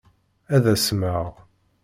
Ad asmeɣ.